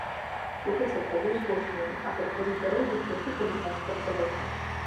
Рухацца трэба ўзбочынамі, а пераходзіць дарогу толькі калі транспарт далёка.